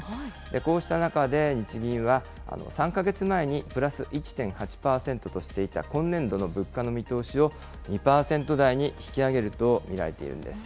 こうした中で、日銀は３か月前にプラス１．８％としていた今年度の物価の見通しを２％台に引き上げると見られているんです。